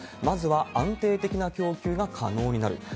まずは安定的な供給が可能になる。